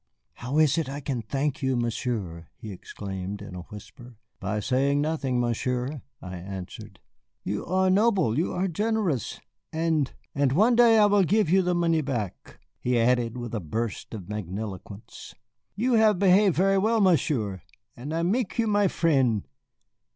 "How is it I can thank you, Monsieur!" he exclaimed in a whisper. "By saying nothing, Monsieur," I answered. "You are noble, you are generous, and and one day I will give you the money back," he added with a burst of magniloquence. "You have behave very well, Monsieur, and I mek you my friend.